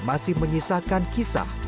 masih menyisahkan kisah